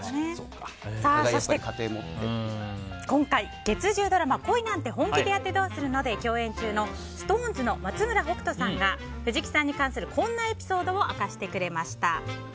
そして今回月１０ドラマ「恋なんて、本気でやってどうするの？」で共演中のＳｉｘＴＯＮＥＳの松村北斗さんが藤木さんに関するこんなエピソードを明かしてくれました。